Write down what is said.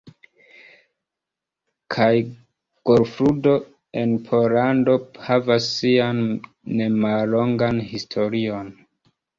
Kaj golfludo en Pollando havas sian nemallongan historion.